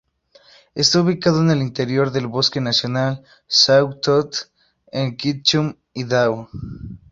Está ubicado en el interior del bosque nacional Sawtooth, en Ketchum, Idaho.